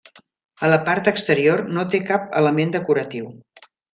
A la part exterior no té cap element decoratiu.